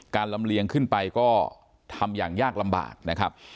การลำเลียงขึ้นไปก็ทำอย่างยากลำบาก